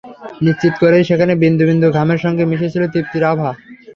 নিশ্চিত করেই সেখানে বিন্দু বিন্দু ঘামের সঙ্গে মিশে ছিল তৃপ্তির আভা।